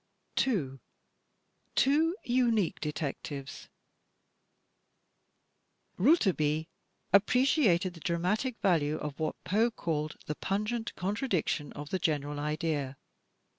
2. Two Unique Detectives Rouletabille appreciated the dramatic value of what Poe called the pimgent contradiction of the general idea.